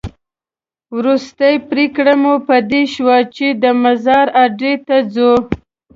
وروستۍ پرېکړه مو په دې شوه چې د مزار اډې ته ځو.